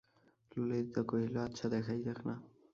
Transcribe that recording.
ললিতা কহিল, আচ্ছা, দেখাই যাক-না।